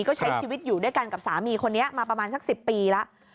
ก็ใช้ชีวิตอยู่ด้วยกันกับสามีคนนี้มาประมาณสัก๑๐ปีแล้ว